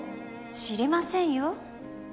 知りませんよ。